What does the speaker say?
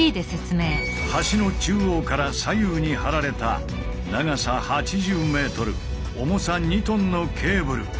橋の中央から左右に張られた長さ８０ｍ重さ２ｔのケーブル